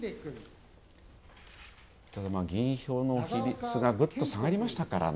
議員票の比率がぐっと下がりましたからね。